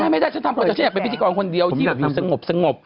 ไม่ได้ฉันทำคนเดียวฉันอยากเป็นพิธีกรคนเดียวที่แบบอยู่สงบ